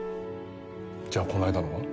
じゃあこの間のは？